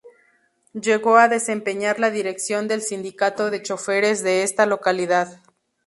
Llegó a desempeñar la dirección del Sindicato de Choferes, de esta localidad.